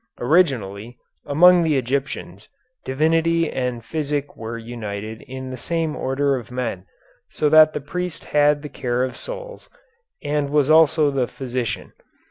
Originally, among the Egyptians, divinity and physic were united in the same order of men, so that the priest had the care of souls, and was also the physician.